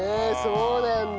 そうなんだ。